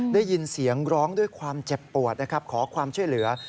ได้ยินเสียงร้องด้วยความเจ็บปวดนะครับขอความช่วยเหลือ